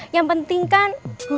yang penting kan